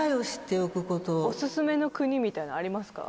おすすめの国みたいのありますか？